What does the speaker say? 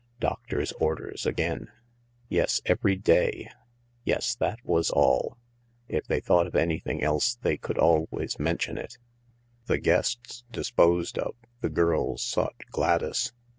Doctor's orders again. Yes, every day. Yes, that was all. If they thought of anything else they could always mention it. The guests disposed of, the girls sought Gladys.